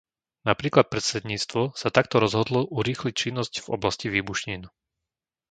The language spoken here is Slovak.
Napríklad predsedníctvo sa takto rozhodlo urýchliť činnosť v oblasti výbušnín.